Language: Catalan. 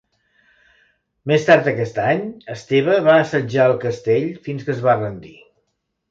Més tard aquest any, Esteve va assetjar el castell fins que es va rendir.